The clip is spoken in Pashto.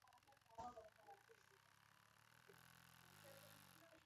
کرنه خوراکي خوندیتوب تضمینوي.